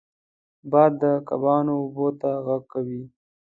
باد د کبانو اوبو ته غږ کوي